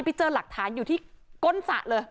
ไปเจอหลักฐานอยู่ที่ก้นสระเลย